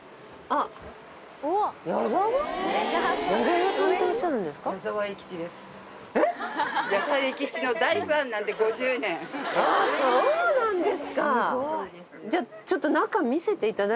あそうなんですか！